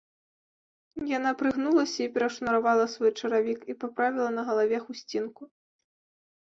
Яна прыгнулася і перашнуравала свой чаравік і паправіла на галаве хусцінку.